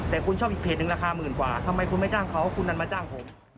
แต่คุณชอบอีกเพจหนึ่งราคาหมื่นกว่าทำไมคุณไม่จ้างเขาคุณดันมาจ้างผม